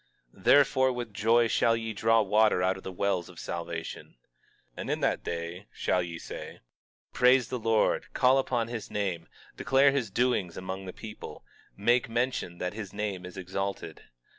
22:3 Therefore, with joy shall ye draw water out of the wells of salvation. 22:4 And in that day shall ye say: Praise the Lord, call upon his name, declare his doings among the people, make mention that his name is exalted.